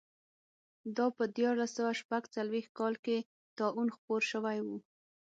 دا په دیارلس سوه شپږ څلوېښت کال کې طاعون خپور شوی و.